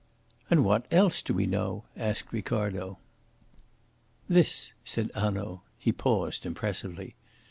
"And what else do we know?" asked Ricardo. "This," said Hanaud. He paused impressively.